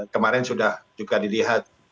kemarin sudah juga dilihat